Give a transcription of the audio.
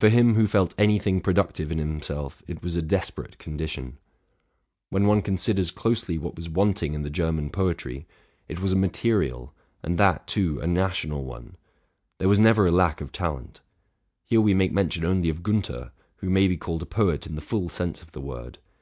For him who felt any thing productive in himself it was a desperate condition. When one considers closely what was wanting in the Ger man poetry, it was a material, and that, too, a national one : there was never a lack of talent. Here we make mention only of Giinther, who may be called a poet in the full sense of the word.